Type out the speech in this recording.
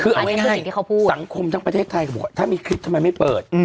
คือเอาไว้ให้สังคมทั้งประเทศไทยถ้ามีคลิปทำไมไม่เปิด